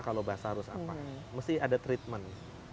kalau bahasa harus apa mesti ada treatment